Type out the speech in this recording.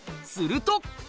すると。